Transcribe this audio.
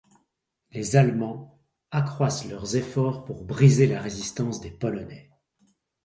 Les Allemands accroissent leurs efforts pour briser la résistance des Polonais.